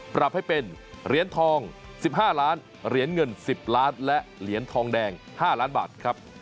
ปรับให้เป็นเหรียญทอง๑๕ล้านเหรียญเงิน๑๐ล้านและเหรียญทองแดง๕ล้านบาทครับ